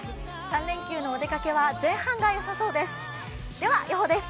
３連休のお出かけは前半がよさそうです。